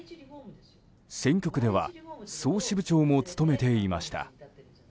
選挙区では総支部長も務めていました。